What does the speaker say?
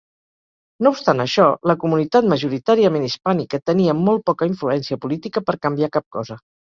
No obstant això, la comunitat majoritàriament hispànica tenia molt poca influència política per canviar cap cosa.